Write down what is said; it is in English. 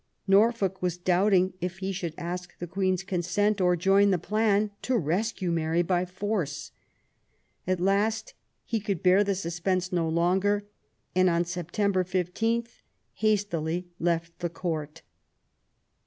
Norfolk was doubting if he should ask the Queen's consent or join the plan to rescue Mary by force. At last he could bear the suspense no longer, and on September 15 hastily left the Court.